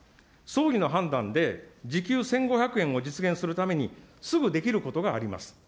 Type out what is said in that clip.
総理の判断で時給１５００円を実現するために、すぐできることがあります。